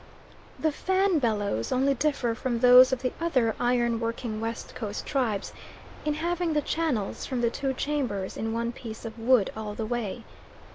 The Fan bellows only differ from those of the other iron working West Coast tribes in having the channels from the two chambers in one piece of wood all the way.